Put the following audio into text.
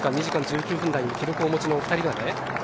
２時間１９分台記録をお持ちのお２人が。